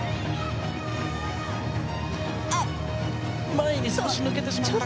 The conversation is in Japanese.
前に少し抜けてしまったか。